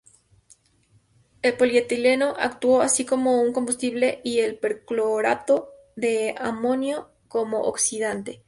El polietileno actuó así como un combustible y el perclorato de amonio como oxidante.